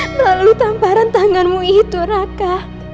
melalui tamparan tanganmu itu raka